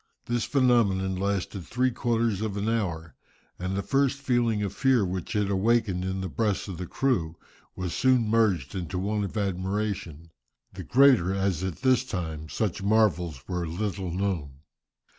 This phenomenon lasted three quarters of an hour, and the first feeling of fear which it awakened in the breasts of the crew was soon merged in one of admiration, the greater as at this time such marvels were little known.